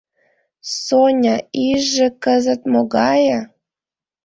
— Соня, ийже кызыт могае?